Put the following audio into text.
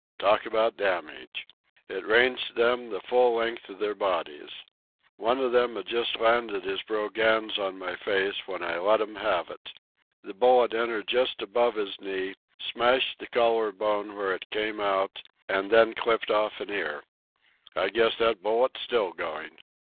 Talk about damage! It ranged them the full length of their bodies. One of them'd just landed his brogans on my face when I let'm have it. The bullet entered just above his knee, smashed the collarbone, where it came out, and then clipped off an ear. I guess that bullet's still going.